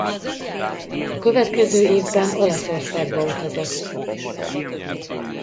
A következő évben Olaszországba utazott.